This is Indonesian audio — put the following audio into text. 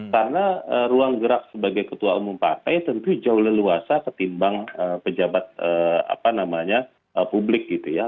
karena ruang gerak sebagai ketua umum partai tentu jauh leluasa ketimbang pejabat apa namanya publik gitu ya